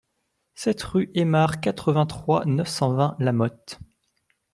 sept rue Aymard, quatre-vingt-trois, neuf cent vingt, La Motte